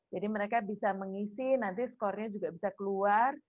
jadi mereka bisa mengisi nanti skornya juga bisa keluar